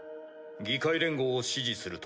議会連合を支持すると。